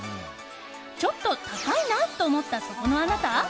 ちょっと高いなと思ったそこのあなた。